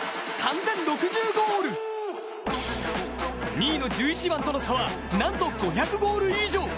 ２位の１１番との差はなんと５００ゴール以上。